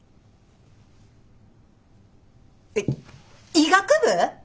えっ医学部！？